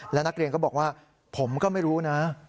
และนักเรียนก็บอกว่าผมก็ไม่รู้นะ